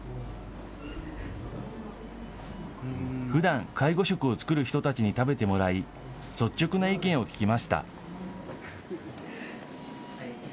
ふだん、介護食を作る人たちに食べてもらい、率直な意見を聞きました。